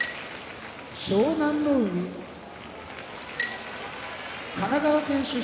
湘南乃海神奈川県出身